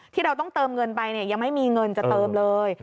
ที่เราต้องเติมเงินไปยังไม่มีเงินจะเติมเลย